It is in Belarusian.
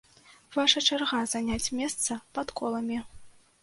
Ваша чарга заняць месца пад коламі!